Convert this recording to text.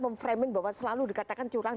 memframing bahwa selalu dikatakan curang